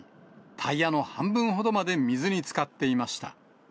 タイヤの半分ほどまで水につかっていました。